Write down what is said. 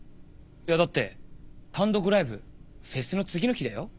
いやだって単独ライブフェスの次の日だよ。